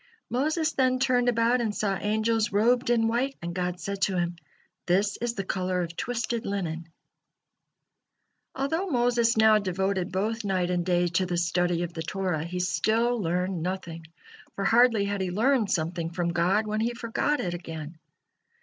Moses then turned about and saw angels robed in white, and God said to him: "This is the color of twisted linen." Although Moses now devoted both night and day to the study of the Torah, he still learned nothing, for hardly had he learned something from God when he forgot it again.